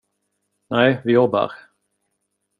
Nej, vi jobbar.